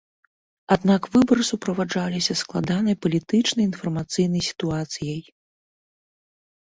Аднак выбары суправаджаліся складанай палітычнай і інфармацыйнай сітуацыяй.